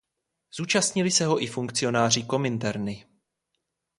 Zúčastnili se ho i funkcionáři Kominterny.